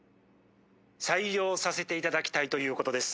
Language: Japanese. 「採用させていただきたいということです」。